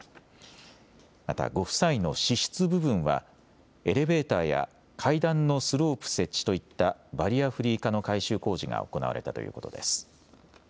また、ご夫妻の私室部分はエレベーターや階段のスロープ設置といったバリアフリー化の改修工事が行われたということです。